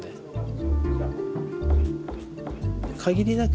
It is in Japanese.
限りなく